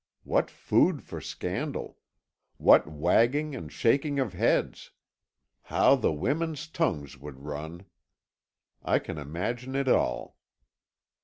What food for scandal! What wagging and shaking of heads! How the women's tongues would run! I can imagine it all.